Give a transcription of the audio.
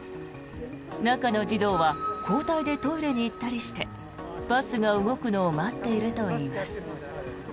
中の児童は交代でトイレに行ったりしてバスが動くのを待っているといいます。